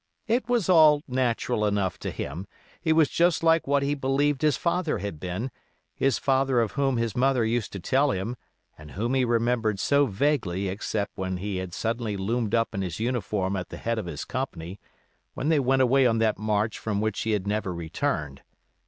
It was all natural enough to him; he was just like what he believed his father had been, his father of whom his mother used to tell him, and whom he remembered so vaguely except when he had suddenly loomed up in his uniform at the head of his company, when they went away on that march from which he had never returned.